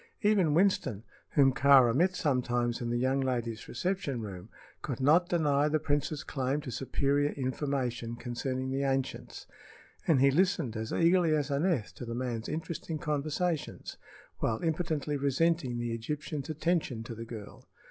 Even Winston, whom Kāra met sometimes in the young lady's reception room, could not deny the prince's claim to superior information concerning the ancients, and he listened as eagerly as Aneth to the man's interesting conversations, while impotently resenting the Egyptian's attention to the girl.